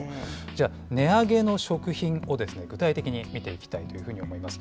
じゃあ、値上げの食品を具体的に見ていきたいというふうに思います。